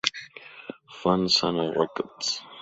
Fan-sama Request!!!